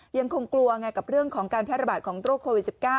ยังคงกลัวแหงกับการแพทย์ระบาดของโรคโควิด๑๙